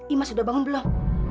ima sudah bangun belum